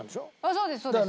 そうですそうです。